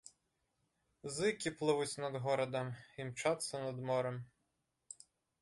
Зыкі плывуць над горадам, імчацца над морам.